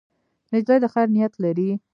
نجلۍ د خیر نیت لري.